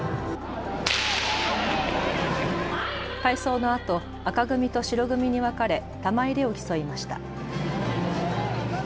体操のあと赤組と白組に分かれ玉入れを競いました。